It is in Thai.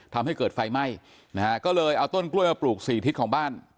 ทำให้เกิดไฟไหม้นะฮะก็เลยเอาต้นกล้วยมาปลูกสี่ทิศของบ้าน